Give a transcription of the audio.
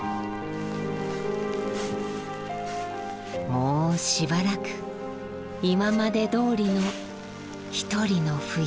もうしばらく今までどおりの一人の冬。